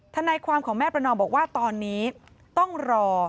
ทนายความของแม่ประนอมบอกว่าตอนนี้ต้องรอ